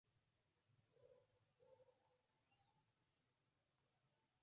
Es la sede de la Arquidiócesis de Maribor.